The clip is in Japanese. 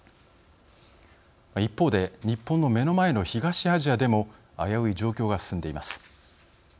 一方で、日本の目の前の東アジアでも危うい状況が進んでいます。